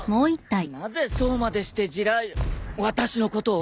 なぜそうまでして児雷私のことを？